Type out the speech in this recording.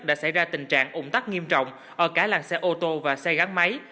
đã xảy ra tình trạng ủng tắc nghiêm trọng ở cả làng xe ô tô và xe gắn máy